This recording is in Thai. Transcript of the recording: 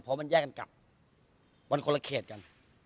เพราะมันแยกกันกลับมันคนละเขตกัน